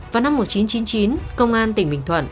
vào năm một nghìn chín trăm chín mươi chín công an tỉnh bình thuận